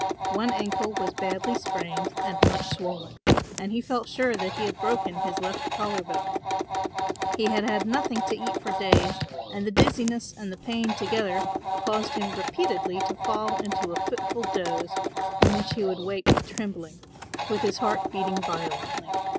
One ankle was badly sprained and much swollen and he felt sure that he had broken his left collar bone. He had had nothing to eat for days and the dizziness and the pain together caused him repeatedly to fall into a fitful doze from which he would wake trembling, with his heart beating violently.